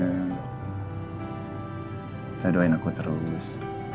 udah doain aku terus